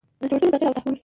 د جوړښتونو تغییر او تحول.